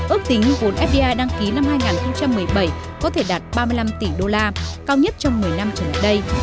ước tính vốn fdi đăng ký năm hai nghìn một mươi bảy có thể đạt ba mươi năm tỷ đô la cao nhất trong một mươi năm trở lại đây